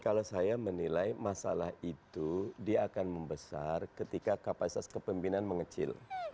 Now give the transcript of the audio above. kalau saya menilai masalah itu dia akan membesar ketika kapasitas kepemimpinan mengecil